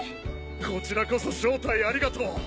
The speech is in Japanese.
こちらこそ招待ありがとう。